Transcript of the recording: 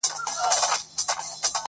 د توریو د ځاځیو نجونه ښې دي